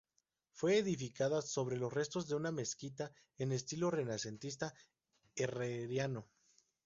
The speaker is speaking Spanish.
Fue edificada sobre los restos de una mezquita, en estilo renacentista herreriano.